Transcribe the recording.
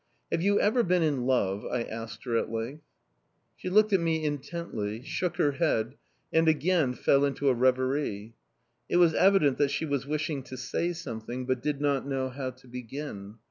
"Have you ever been in love?" I asked her at length. She looked at me intently, shook her head and again fell into a reverie. It was evident that she was wishing to say something, but did not know how to begin.